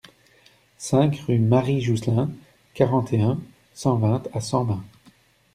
cinq rue Marie Jousselin, quarante et un, cent vingt à Sambin